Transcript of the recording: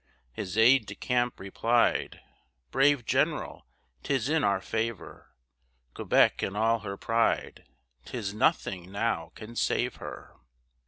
His aide de camp replied, "Brave general, 'tis in our favor, Quebec and all her pride, 'Tis nothing now can save her.